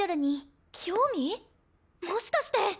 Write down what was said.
もしかして。